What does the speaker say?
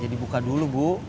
jadi buka dulu bu